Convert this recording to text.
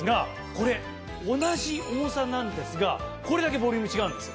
これ同じ重さなんですがこれだけボリューム違うんです。